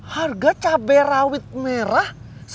harga cabai rawit merah